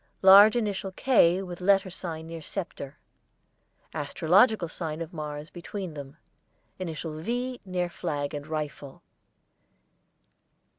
Large initial 'K' with letter sign near sceptre. Astrological sign of Mars between them. Initial 'V' near flag and rifle.